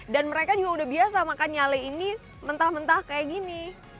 dan mereka juga udah biasa makan nyale ini mentah mentah kayak gini